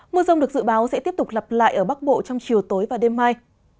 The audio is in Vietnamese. mưa rông được dự báo sẽ tiếp tục lặp lại ở bắc bộ trong chiều tối và đêm mai